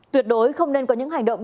tuyệt đối không nên có những hành động